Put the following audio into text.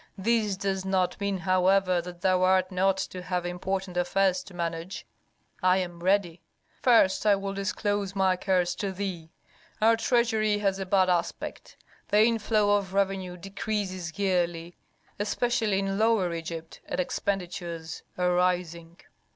This does not mean, however, that thou art not to have important affairs to manage." "I am ready." "First I will disclose my cares to thee. Our treasury has a bad aspect; the inflow of revenue decreases yearly, especially in Lower Egypt, and expenditures are rising."